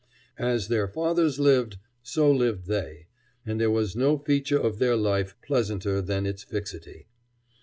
As their fathers lived, so lived they, and there was no feature of their life pleasanter than its fixity.